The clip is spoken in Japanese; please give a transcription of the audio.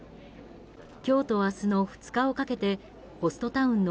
今日と明日の２日をかけてホストタウンの